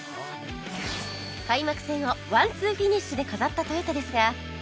開幕戦をワンツーフィニッシュで飾ったトヨタですが